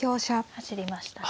走りましたね。